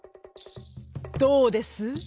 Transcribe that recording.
「どうです？